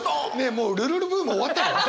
もう「ルルル」ブーム終わったの？